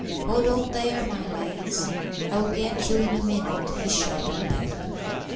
"Hold on there, my lads; I'll get you in a minute," he shouted back.